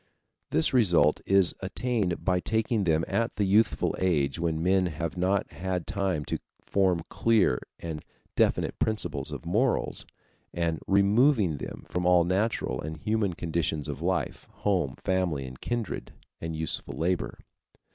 This result is attained by taking them at the youthful age when men have not had time to form clear and definite principles of morals, and removing them from all natural and human conditions of life, home, family and kindred, and useful labor.